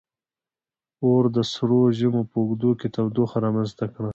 • اور د سړو ژمو په اوږدو کې تودوخه رامنځته کړه.